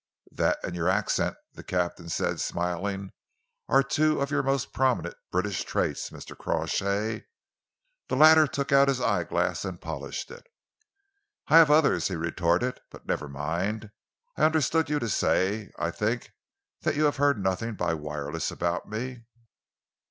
"That and your accent," the captain said, smiling, "are two of your most prominent British traits, Mr. Crawshay." The latter took out his eyeglass and polished it. "I have others," he retorted, "but never mind. I understood you to say, I think, that you have heard nothing by wireless about me?"